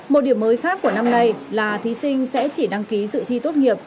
một điểm mới khác của năm nay là thí sinh sẽ chỉ đăng ký dự thi tốt nghiệp